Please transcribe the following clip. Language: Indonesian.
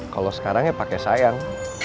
kalau sekarang ya pakai sayang